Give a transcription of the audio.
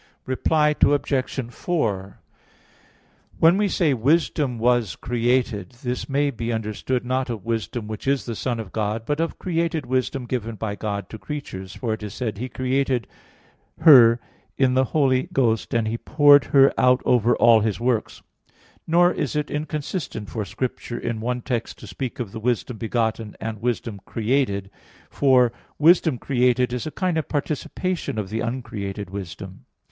Reply Obj. 4: When we say "Wisdom was created," this may be understood not of Wisdom which is the Son of God, but of created wisdom given by God to creatures: for it is said, "He created her [namely, Wisdom] in the Holy Ghost, and He poured her out over all His works" (Ecclus. 1:9, 10). Nor is it inconsistent for Scripture in one text to speak of the Wisdom begotten and wisdom created, for wisdom created is a kind of participation of the uncreated Wisdom.